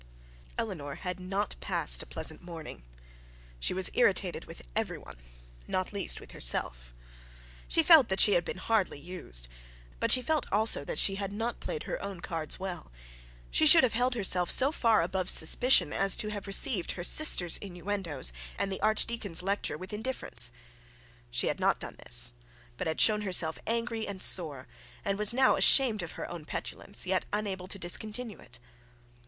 Eleanor had not passed a pleasant morning. She was irritated with every one, and not least with herself. She felt that she had been hardly used, but she felt also that she had not played her own cards well. She should have held herself so far above suspicion as to have received her sister's innuendoes and the archdeacon's lecture with indifference. She had not done this, but had shown herself angry and sore, and was now ashamed of her own petulance, and yet unable to discontinue it.